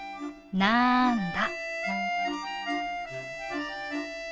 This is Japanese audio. なあんだ？」。